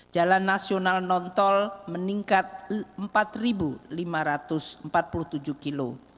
jalan nasional non tol meningkat empat lima ratus empat puluh tujuh km